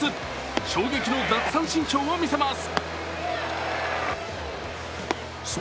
衝撃の奪三振ショーを見せます。